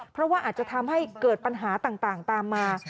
เพราะว่าอาจจะทำให้เกิดปัญหาต่างตามมา